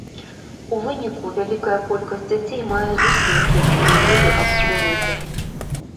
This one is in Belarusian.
У выніку вялікая колькасць дзяцей мае зусім кепскія веды аб прыродзе.